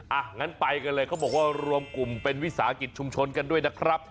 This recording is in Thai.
อ่ะงั้นไปกันเลยเขาบอกว่ารวมกลุ่มเป็นวิสาหกิจชุมชนกันด้วยนะครับ